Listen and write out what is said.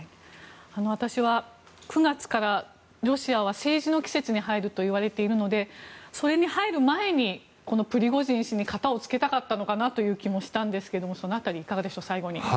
私は９月からロシアは政治の季節に入るといわれているのでそれに入る前にプリゴジン氏に型をつけたかったのかなという気もしたんですがその辺りはいかがでしょう？